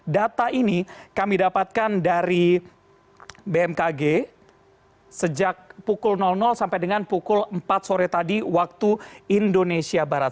data ini kami dapatkan dari bmkg sejak pukul sampai dengan pukul empat sore tadi waktu indonesia barat